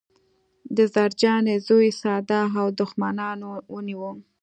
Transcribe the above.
د زرجانې زوی ساده و او دښمنانو ونیوه